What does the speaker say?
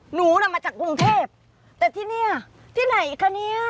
หนุนมาจากกรุงเทพแต่ที่นี่ที่ไหนกันนี้